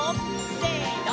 せの！